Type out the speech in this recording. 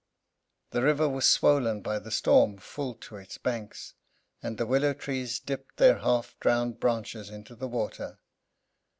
The river was swollen by the storm full to its banks, and the willow trees dipped their half drowned branches into its water.